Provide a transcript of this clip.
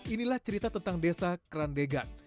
inilah cerita tentang desa krandegan